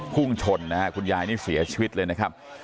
พุ่งชนนะฮะคุณยายนี่เสียชีวิตเลยนะครับ